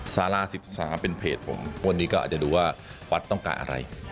สารา๑๓เป็นเพจผมวันนี้ก็อาจจะดูว่าวัดต้องการอะไร